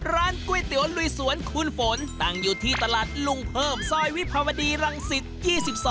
ร้านก๋วยเตี๋ยวลุยสวนคุณฝนตั้งอยู่ที่ตลาดลุงเพิ่มซอยวิภาวดีรังสิต๒๒